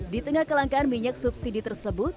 di tengah kelangkaan minyak subsidi tersebut